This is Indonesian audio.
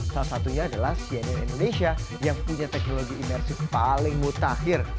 salah satunya adalah cnn indonesia yang punya teknologi imersif paling mutakhir